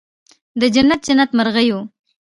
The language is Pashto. د جنت، جنت مرغېو